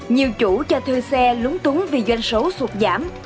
nhiều chủ cho thuê xe lúng túng vì doanh số sụt giảm